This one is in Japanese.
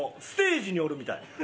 ステージにおるみたい。